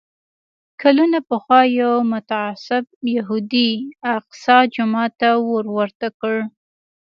کلونه پخوا یو متعصب یهودي الاقصی جومات ته اور ورته کړ.